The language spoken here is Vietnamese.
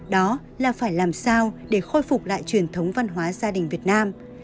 đó là phải làm sao để khôi phục lại truyền thống văn hóa gia đình việt nam